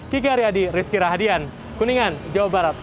kiki aryadi rizky rahadian kuningan jawa barat